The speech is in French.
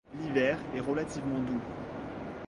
L'hiver est relativement doux.